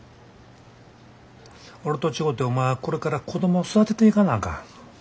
俺と違てお前はこれから子供を育てていかなあかん。